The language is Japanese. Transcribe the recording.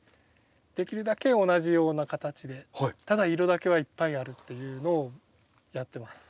できるだけ同じような形でただ色だけはいっぱいあるっていうのをやってます。